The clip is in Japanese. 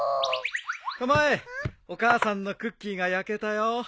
たまえお母さんのクッキーが焼けたよ。